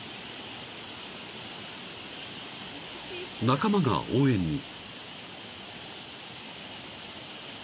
［仲間が応援に］